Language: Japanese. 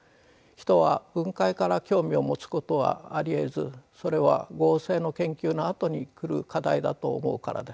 人は分解から興味を持つことはありえずそれは合成の研究のあとに来る課題だと思うからです。